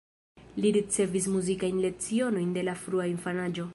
Li ricevis muzikajn lecionojn de la frua infanaĝo.